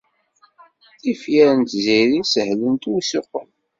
Tifyar n Tiziri sehlent i usuqqel.